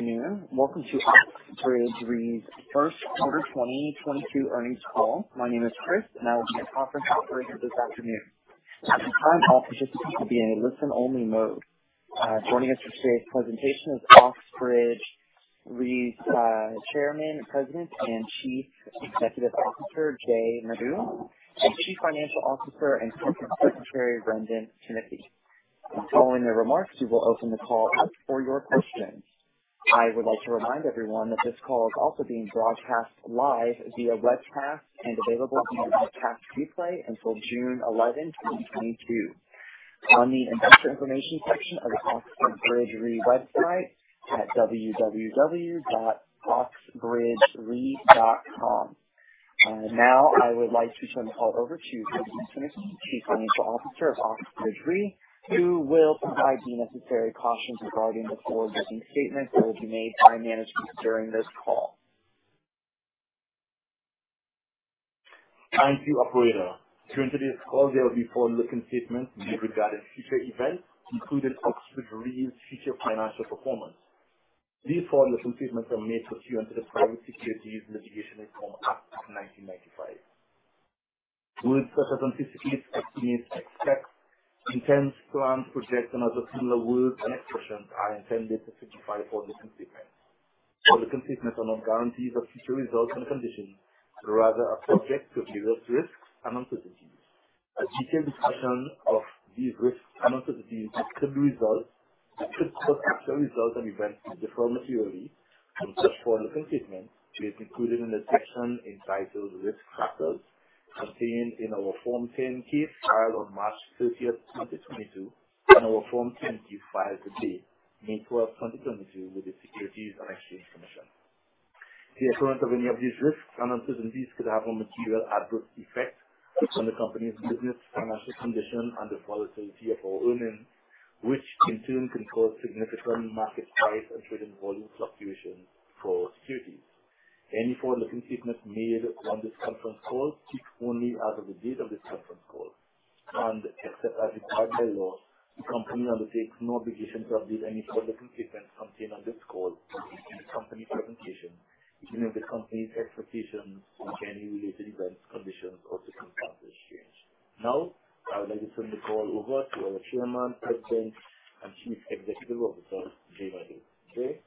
Good afternoon. Welcome to Oxbridge Re's first quarter 2022 earnings call. My name is Chris and I will be your conference operator this afternoon. At this time, all participants will be in a listen-only mode. Joining us for today's presentation is Oxbridge Re's Chairman, President, and Chief Executive Officer, Jay Madhu, and Chief Financial Officer and Corporate Secretary, Wrendon Timothy. Following their remarks, we will open the call up for your questions. I would like to remind everyone that this call is also being broadcast live via webcast and available in the webcast replay until June 11, 2022 on the investor information section of the Oxbridge Re website at www.oxbridgere.com. Now I would like to turn the call over to Wrendon Timothy, Chief Financial Officer of Oxbridge Re, who will provide the necessary cautions regarding the forward-looking statements that will be made by management during this call. Thank you, operator. During today's call, there will be forward-looking statements with regard to future events, including Oxbridge Re's future financial performance. These forward-looking statements are made pursuant to the Private Securities Litigation Reform Act of 1995. Words such as anticipate, estimate, expect, intends, plans, projects, and other similar words and expressions are intended to signify forward-looking statements. Forward-looking statements are not guarantees of future results and conditions, rather are subject to various risks and uncertainties. A detailed discussion of these risks and uncertainties that could cause actual results and events to differ materially from such forward-looking statements is included in the section entitled Risk Factors contained in our Form 10-K filed on March 30, 2022, and our Form 10-Q filed today, May 12, 2022 with the Securities and Exchange Commission. The occurrence of any of these risks and uncertainties could have a material adverse effect on the company's business, financial condition, and the volatility of our earnings, which in turn can cause significant market price and trading volume fluctuations for our securities. Any forward-looking statements made on this conference call speak only as of the date of this conference call. Except as required by law, the company undertakes no obligation to update any forward-looking statements contained on this call and the company's presentation, even if the company's expectations on any related events, conditions or assumptions change. Now, I would like to turn the call over to our Chairman, President, and Chief Executive Officer, Jay Madhu. Jay?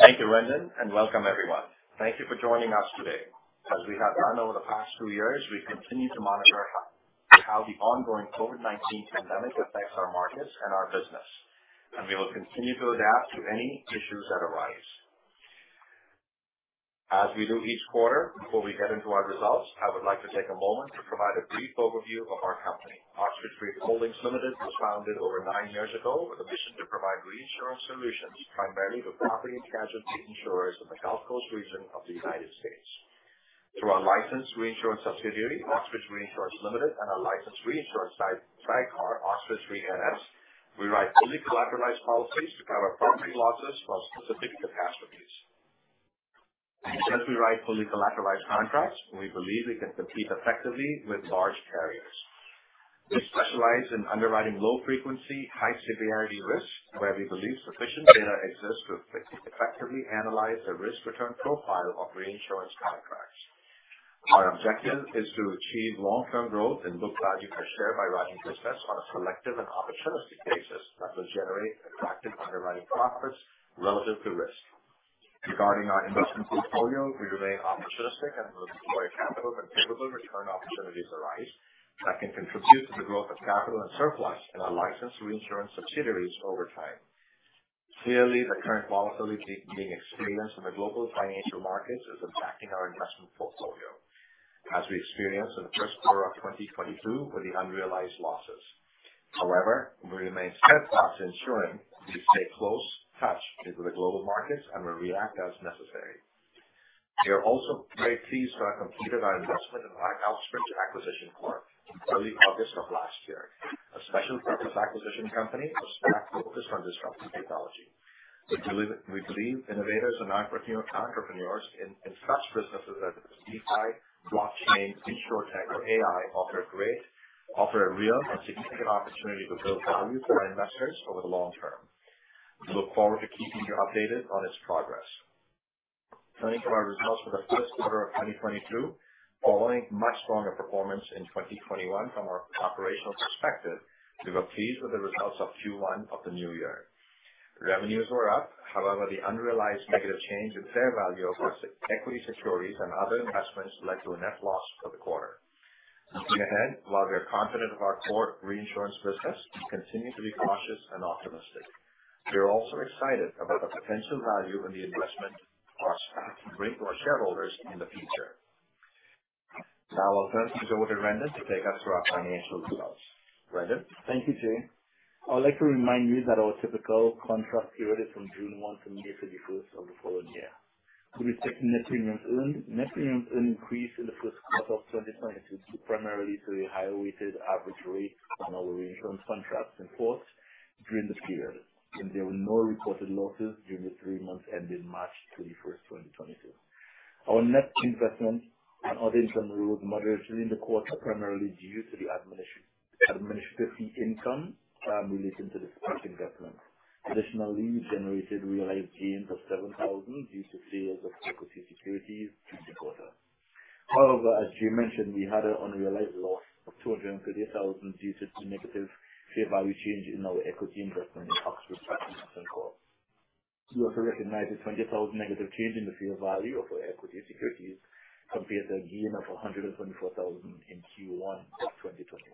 Thank you, Wrendon, and welcome everyone. Thank you for joining us today. As we have done over the past two years, we've continued to monitor how the ongoing COVID-19 pandemic affects our markets and our business, and we will continue to adapt to any issues that arise. As we do each quarter, before we get into our results, I would like to take a moment to provide a brief overview of our company. Oxbridge Re Holdings Limited was founded over nine years ago with a mission to provide reinsurance solutions primarily to property and casualty insurers in the Gulf Coast region of the United States. Through our licensed reinsurance subsidiary, Oxbridge Reinsurance Limited, and our licensed reinsurance sidecar, Oxbridge Re NS, we write fully collateralized policies to cover property losses from specific catastrophes. Since we write fully collateralized contracts, we believe we can compete effectively with large carriers. We specialize in underwriting low frequency, high severity risks, where we believe sufficient data exists to effectively analyze the risk return profile of reinsurance contracts. Our objective is to achieve long-term growth in book value per share by writing business on a selective and opportunistic basis that will generate attractive underwriting profits relative to risk. Regarding our investment portfolio, we remain opportunistic and will deploy capital when favorable return opportunities arise that can contribute to the growth of capital and surplus in our licensed reinsurance subsidiaries over time. Clearly, the current volatility being experienced in the global financial markets is impacting our investment portfolio. As we experienced in the first quarter of 2022 with the unrealized losses. However, we remain steadfast in ensuring we stay in close touch with the global markets and will react as necessary. We are also very pleased to have completed our investment in the Oxbridge Acquisition Corp early August of last year, a special purpose acquisition company or SPAC focused on disruptive technology. We believe innovators and entrepreneurs in such businesses as DeFi, blockchain, InsurTech or AI offer a real and significant opportunity to build value for our investors over the long term. We look forward to keeping you updated on its progress. Turning to our results for the first quarter of 2022, following much stronger performance in 2021 from our operational perspective, we were pleased with the results of Q1 of the new year. Revenues were up, however, the unrealized negative change in fair value of our equity securities and other investments led to a net loss for the quarter. Looking ahead, while we are confident of our core reinsurance business, we continue to be cautious and optimistic. We are also excited about the potential value in the investment for our SPAC to bring to our shareholders in the future. Now I'll turn this over to Wrendon to take us through our financial results. Wrendon? Thank you, Jay. I would like to remind you that our typical contract period is from June 1 to May 31st of the following year. With respect to net premiums earned, net premiums earned increased in the first quarter of 2022 primarily due to a higher weighted average rate on our reinsurance contracts in force during the period, and there were no reported losses during the three months ending March 31, 2022. Our net investment and other income rose moderately in the quarter, primarily due to the administrative fee income related to the SPAC investment. Additionally, we generated realized gains of $7,000 due to sales of equity securities during the quarter. However, as Jay mentioned, we had an unrealized loss of $230,000 due to the negative fair value change in our equity investment in Oxbridge Acquisition Corp. We also recognized a $20,000 negative change in the fair value of our equity securities compared to a gain of $124,000 in Q1 of 2021.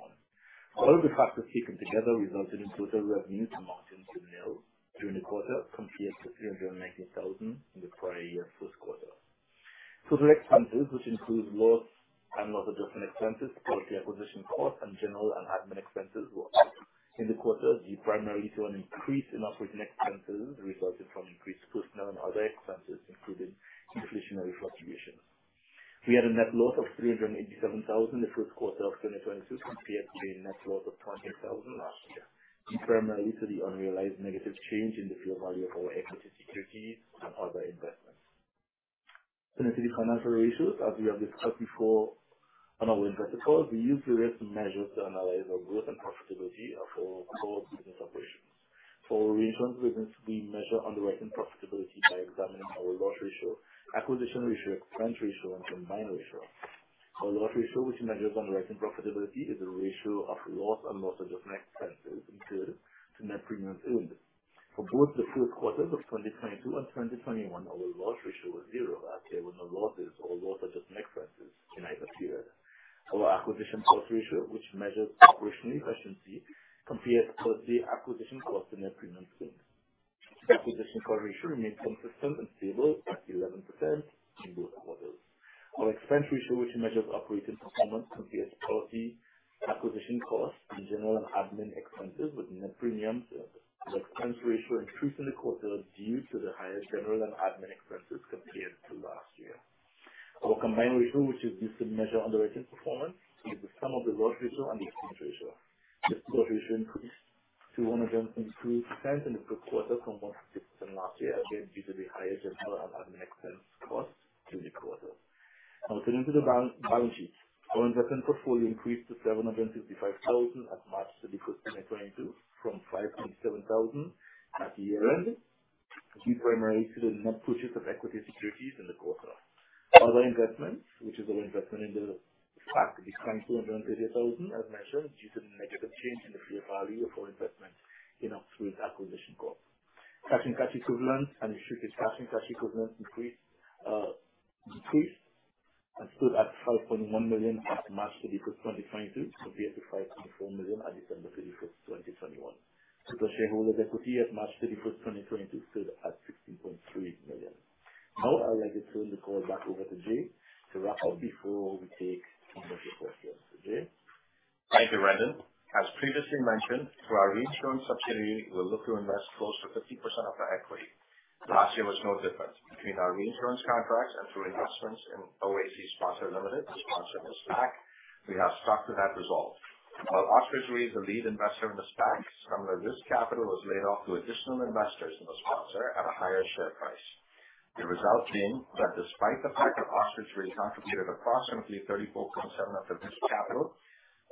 All of the factors taken together resulted in total revenue amounting to $0 during the quarter compared to $390,000 in the prior year first quarter. Total expenses, which includes loss and loss adjustment expenses, policy acquisition costs, and general and admin expenses were up in the quarter due primarily to an increase in operating expenses resulting from increased personnel and other expenses, including inflationary fluctuations. We had a net loss of $387,000 in the first quarter of 2022 compared to a net loss of $28,000 last year, primarily due to the unrealized negative change in the fair value of our equity securities and other investments. Turning to the financial ratios, as we have discussed before on our investor call, we use various measures to analyze our growth and profitability of our core business operations. For reinsurance business, we measure underwriting profitability by examining our loss ratio, acquisition cost ratio, expense ratio, and combined ratio. Our loss ratio, which measures underwriting profitability, is a ratio of loss and loss adjustment expenses incurred to net premiums earned. For both the first quarters of 2022 and 2021, our loss ratio was 0 as there were no losses or loss adjustment expenses in either period. Our acquisition cost ratio, which measures operational efficiency, compares policy acquisition costs to net premiums earned. Acquisition cost ratio remains consistent and stable at 11% in both quarters. Our expense ratio, which measures operating performance, compares policy acquisition costs and general and administrative expenses with net premiums. The expense ratio increased in the quarter due to the higher general and admin expenses compared to last year. Our combined ratio, which is used to measure underwriting performance, is the sum of the loss ratio and the expense ratio. This ratio increased to 103% in the third quarter from 157% last year, again due to the higher general and admin expense costs during the quarter. Now turning to the balance sheet. Our investment portfolio increased to $765,000 at March 31, 2022, from $5,700 at year-end, due primarily to the net purchase of equity securities in the quarter. Other investments, which is our investment in the SPAC, declined $230,000, as mentioned, due to the negative change in the fair value of our investment in Oxbridge Acquisition Corp. Cash and cash equivalents and restricted cash and cash equivalents decreased and stood at $5.1 million at March 31, 2022, compared to $5.4 million at December 31, 2021. Total shareholder equity at March 31, 2022, stood at $16.3 million. Now I would like to turn the call back over to Jay to wrap up before we take some of your questions. Jay? Thank you, Wrendon Timothy. As previously mentioned, through our reinsurance subsidiary, we look to invest close to 50% of our equity. Last year was no different. Between our reinsurance contracts and through investments in OAC Sponsor Ltd, the sponsor of the SPAC, we have stuck to that resolve. While Oxbridge was the lead investor in the SPAC, some of the risk capital was laid off to additional investors in the sponsor at a higher share price. The result being that despite the fact that Oxbridge contributed approximately 34.7% of the risk capital,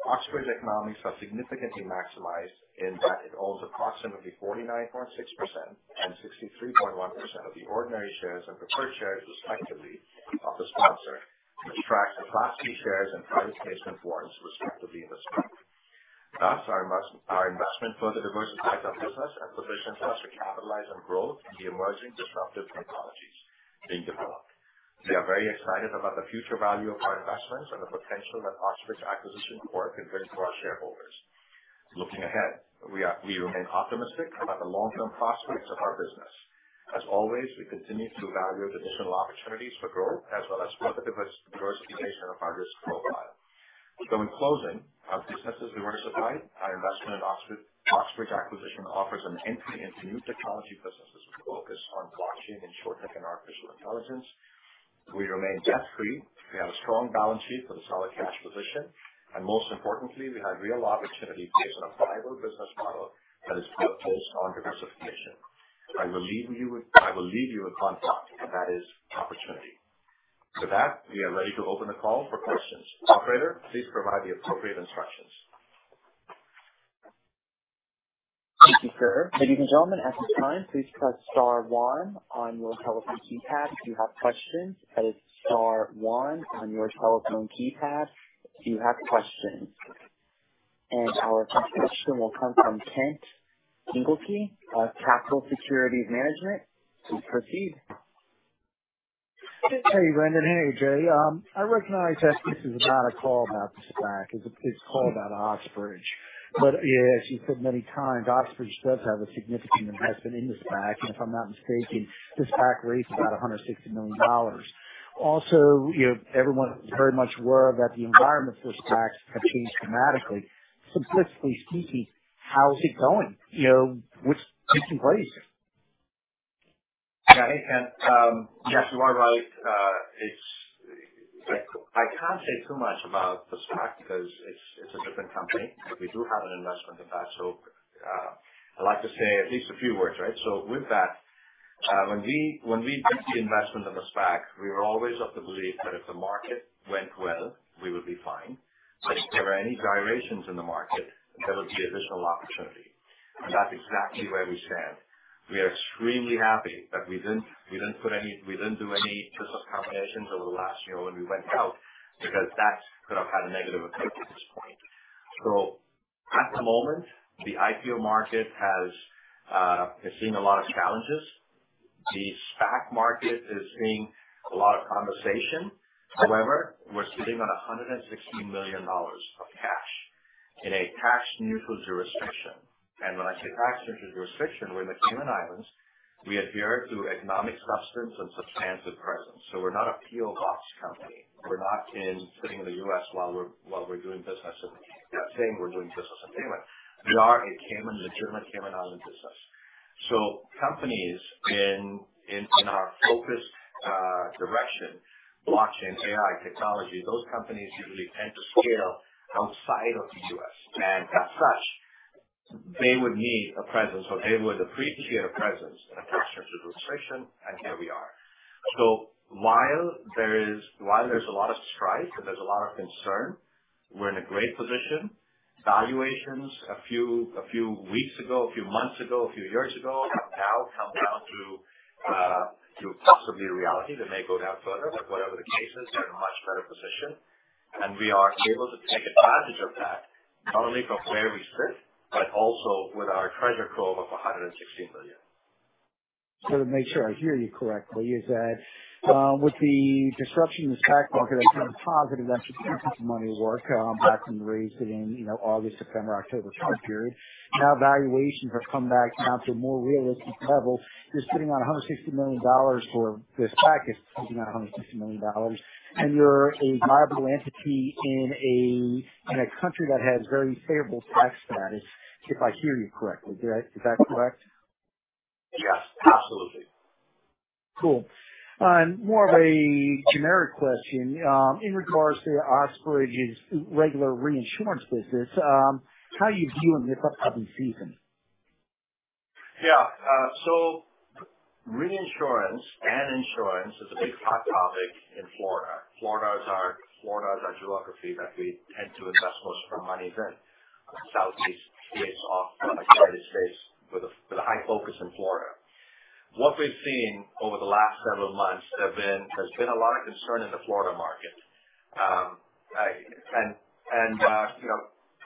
Oxbridge economics are significantly maximized in that it owns approximately 49.6% and 63.1% of the ordinary shares and preferred shares respectively of the sponsor, which tracks the Class B shares and private placement warrants respectively in the SPAC. Thus our investment further diversifies our business and positions us to capitalize on growth in the emerging disruptive technologies being developed. We are very excited about the future value of our investments and the potential that Oxbridge Acquisition Corp could bring to our shareholders. Looking ahead, we remain optimistic about the long-term prospects of our business. As always, we continue to evaluate additional opportunities for growth as well as for the diversification of our risk profile. In closing, our business is diversified. Our investment in Oxbridge Acquisition offers an entry into new technology businesses with focus on blockchain, insurtech, and artificial intelligence. We remain debt-free. We have a strong balance sheet with a solid cash position. Most importantly, we have real opportunity based on a viable business model that is well-placed on diversification. I will leave you with. I will leave you with one thought, and that is opportunity. With that, we are ready to open the call for questions. Operator, please provide the appropriate instructions. Thank you, sir. Ladies and gentlemen, at this time, please press star one on your telephone keypad if you have questions. That is star one on your telephone keypad if you have questions. Our first question will come from Kent Engelke of Capitol Securities Management. Please proceed. Hey, Wrendon. Hey, Jay Madhu. I recognize that this is not a call about the SPAC. It's a call about Oxbridge. As you've said many times, Oxbridge does have a significant investment in the SPAC, and if I'm not mistaken, the SPAC raised about $160 million. Also, you know, everyone's very much aware that the environment for SPACs have changed dramatically. Simply speaking, how is it going? You know, which employees? Yeah. Hey, Kent. Yes, you are right. It's. I can't say too much about the SPAC because it's a different company, but we do have an investment in that. I'd like to say at least a few words, right? With that, when we did the investment in the SPAC, we were always of the belief that if the market went well, we would be fine. If there were any gyrations in the market, there would be additional opportunity. That's exactly where we stand. We are extremely happy that we didn't do any twist of combinations over the last year when we went out, because that could have had a negative effect at this point. At the moment, the IPO market has seen a lot of challenges. The SPAC market is seeing a lot of conversation. However, we're sitting on $116 million of cash in a tax neutral jurisdiction. When I say tax neutral jurisdiction, we're in the Cayman Islands. We adhere to economic substance and substantive presence. We're not a PO box company. We're not sitting in the U.S. while we're doing business in Cayman, saying we're doing business in Cayman. We are a legitimate Cayman Islands business. Companies in our focused direction, blockchain, AI, technology, those companies usually tend to scale outside of the U.S. As such, they would need a presence or they would appreciate a presence in a tax neutral jurisdiction, and here we are. While there's a lot of strife and there's a lot of concern, we're in a great position. Valuations a few weeks ago, a few months ago, a few years ago have now come down to possibly reality. They may go down further, but whatever the case is, we're in a much better position, and we are able to take advantage of that, not only from where we sit, but also with our treasure trove of $116 million. To make sure I hear you correctly, with the disruption in the SPAC market, I think that's positive, that's a pot of money at work that's been raised in, you know, August, September, October time period. Now valuations have come back to a more realistic level. You're sitting on $160 million for this package, excuse me, not $160 million. You're a viable entity in a country that has very favorable tax status, if I hear you correctly. Is that correct? Yes, absolutely. Cool. More of a generic question. In regards to Oxbridge's regular reinsurance business, how are you viewing this hurricane season? Yeah. Reinsurance and insurance is a big hot topic in Florida. Florida is our geography that we tend to invest most of our money in. Southeast is our United States with a high focus in Florida. What we've seen over the last several months, there's been a lot of concern in the Florida market. You know,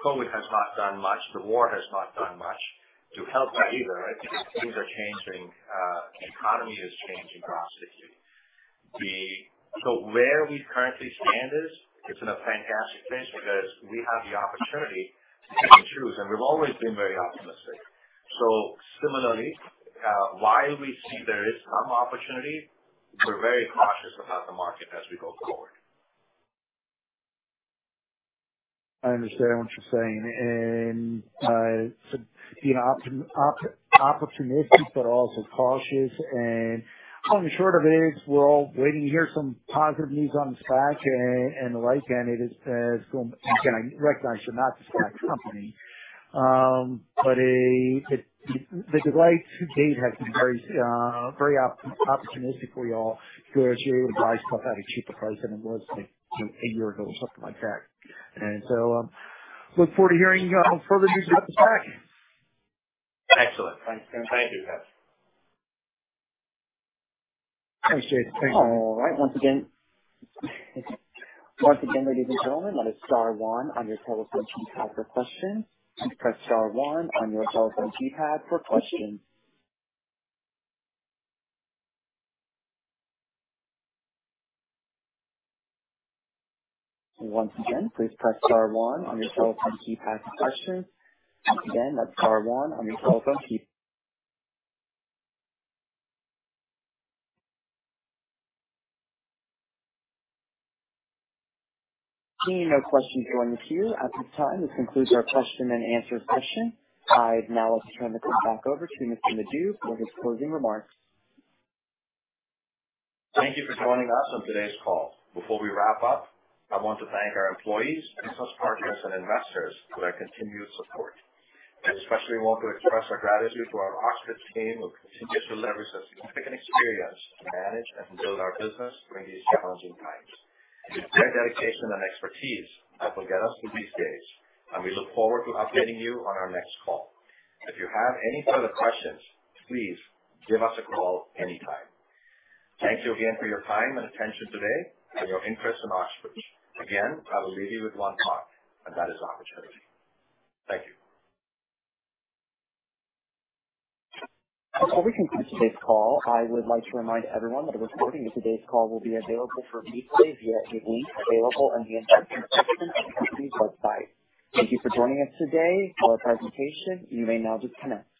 COVID has not done much. The war has not done much to help that either. Things are changing. The economy is changing drastically. Where we currently stand is, it's in a fantastic place because we have the opportunity to pick and choose, and we've always been very optimistic. Similarly, while we see there is some opportunity, we're very cautious about the market as we go forward. I understand what you're saying. So being opportunistic, but also cautious. Long and short of it is we're all waiting to hear some positive news on the SPAC and the like. It is, again, I recognize you're not the SPAC company. But the delay to date has been very opportunistic for y'all. Because you advised about how to achieve the price that it was, you know, eight years ago or something like that. Look forward to hearing further news about the SPAC. Excellent. Thank you, Kent. Appreciate it. Thank you. All right. Once again, ladies and gentlemen, that is star one on your telephone keypad for questions. Press star one on your telephone keypad for questions. Once again, please press star one on your telephone keypad for questions. Again, that's star one on your telephone keypad. Seeing no questions on the queue at this time, this concludes our question and answer session. I'd now like to turn the call back over to Mr. Madhu for his closing remarks. Thank you for joining us on today's call. Before we wrap up, I want to thank our employees, business partners, and investors for their continued support. I especially want to express our gratitude to our Oxbridge team who continue to leverage their significant experience to manage and build our business during these challenging times. It's their dedication and expertise that will get us through these days, and we look forward to updating you on our next call. If you have any further questions, please give us a call anytime. Thank you again for your time and attention today and your interest in Oxbridge. Again, I will leave you with one thought, and that is opportunity. Thank you. Before we conclude today's call, I would like to remind everyone that a recording of today's call will be available for replay via a link available on the Investors section of the company's website. Thank you for joining us today for our presentation. You may now disconnect.